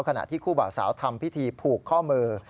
ขณะที่คู่บ่าวสาวทำพิธีผูกข้อมือ